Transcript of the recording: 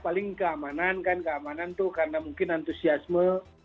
paling keamanan kan keamanan tuh karena mungkin antusiasme